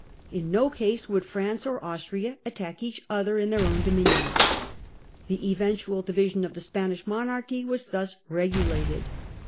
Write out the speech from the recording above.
In no case would France or Austria attack each other in their own dominions. The eventual division of the Spanish monarchy was then regulated.